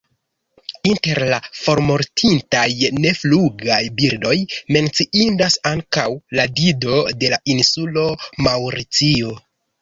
Inter la formortintaj neflugaj birdoj menciindas ankaŭ la Dido de la insulo Maŭricio.